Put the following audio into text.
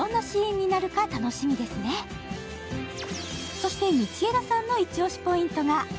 そして道枝さんのイチオシポイントが？